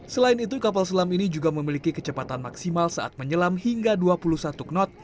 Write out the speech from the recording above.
selain itu kapal selam ini juga memiliki kecepatan maksimal saat menyelam hingga dua puluh satu knot